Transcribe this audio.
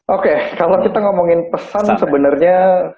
oke kalau kita ngomongin pesan sebenarnya